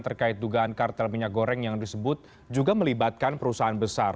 terkait dugaan kartel minyak goreng yang disebut juga melibatkan perusahaan besar